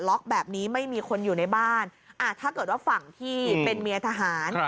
แบบนี้ไม่มีคนอยู่ในบ้านถ้าเกิดว่าฝั่งที่เป็นเมียทหาร